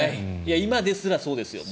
今ですらそうですよ。